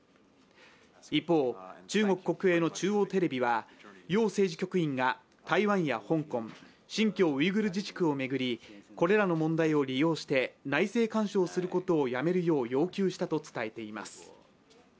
一方、中国国営の中央テレビは楊政治局員が台湾や香港、新疆ウイグル自治区を巡りこれらの問題を利用して内政干渉することをやめるよう要求したと伝えています。